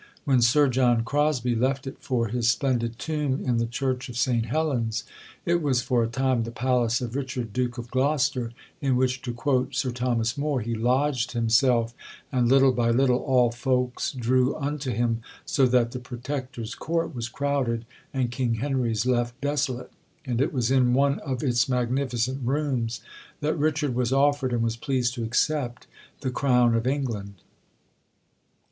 When Sir John Crosby left it for his splendid tomb in the Church of St Helen's, it was for a time the palace of Richard, Duke of Gloucester, in which, to quote Sir Thomas More, "he lodged himself, and little by little all folks drew unto him, so that the Protector's Court was crowded and King Henry's left desolate"; and it was in one of its magnificent rooms that Richard was offered, and was pleased to accept, the Crown of England.